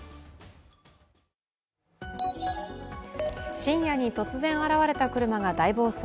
深夜に突然現れた車が大暴走。